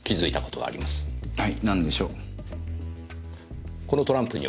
はい？